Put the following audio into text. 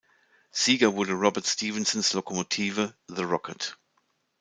Sieger wurde Robert Stephensons Lokomotive The Rocket.